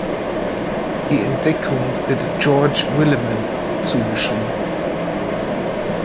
Die Entdeckung wird George Willeman zugeschrieben.